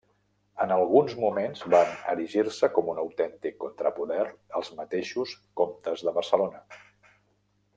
En alguns moments van erigir-se com un autèntic contrapoder als mateixos comtes de Barcelona.